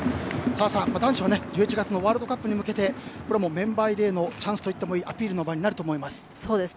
澤さん、男子は１１月のワールドカップに向けてメンバー入りへのチャンスといってもいいアピールの場になると思います。